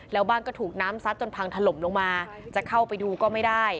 แล้วบ้านก็ถูกน้ำซัดจนพังถล่มลงมาจะเข้าไปดูก็ไม่ได้